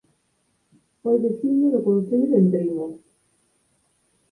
Foi veciño do Concello de Entrimo